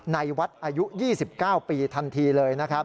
ในวัดอายุ๒๙ปีทันทีเลย